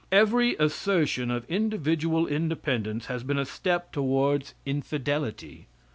Every assertion of individual independence has been a step towards infidelity.